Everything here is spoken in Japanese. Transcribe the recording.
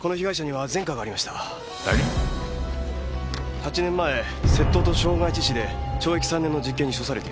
８年前窃盗と傷害致死で懲役３年の実刑に処されています。